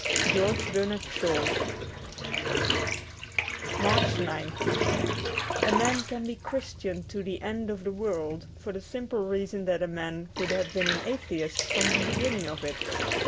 ' George Bernard Shaw J* 74 MARCH 9th A MAN can be a Christian to the end of the world, for the simple reason that a man could have been an Atheist from the begin ning of it.